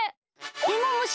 いもむし。